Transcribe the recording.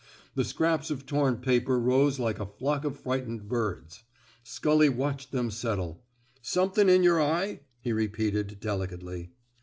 The scraps of torn paper rose like a flock of frightened birds. Scully watched them set tle. Somethin' in yer eyef '* he repeated, delicately.